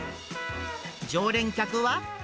常連客は。